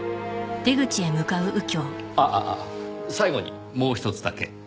あああ最後にもうひとつだけ。